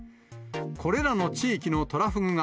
これらの地域のトラフグが、